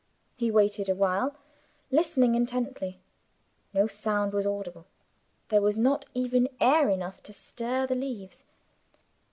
He waited a while, listening intently. No sound was audible: there was not even air enough to stir the leaves.